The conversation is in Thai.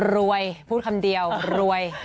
รวยพูดคำเดียวรวย